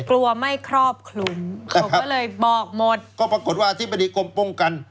กลัวไม่ครอบคลุมเขาก็เลยบอกหมดก็ปรากฏว่าอธิบดีกรมป้องกัน